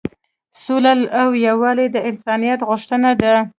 سوله او یووالی د انسانیت غوښتنه ده.